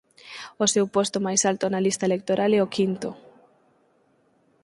O seu posto máis alto na lista electoral é o quinto.